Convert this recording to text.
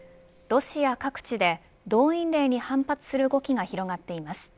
ロシア各地で動員令に反発する動きが広がっています。